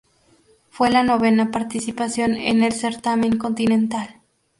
Fue la novena participación en el certamen continental.